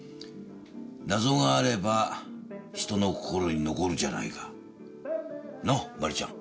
謎があれば人の心に残るじゃないか。なぁ真里ちゃん。